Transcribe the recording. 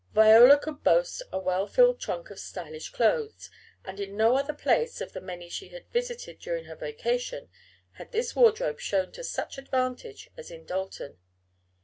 Viola could boast of a well filled trunk of stylish clothes, and in no other place, of the many she had visited during her vacation, had this wardrobe shown to such advantage as in Dalton.